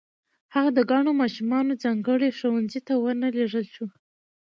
هغه د کڼو ماشومانو ځانګړي ښوونځي ته و نه لېږل شو